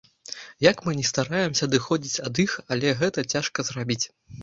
Як мы ні стараемся адыходзіць ад іх, але гэта цяжка зрабіць.